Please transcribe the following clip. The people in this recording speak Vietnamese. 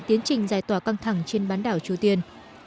tiến trình giải tỏa căng thẳng trên bán đảo triều tiên